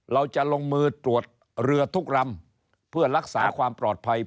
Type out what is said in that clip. เราจะลงมือตรวจเรือทุกลำเพื่อรักษาความปลอดภัย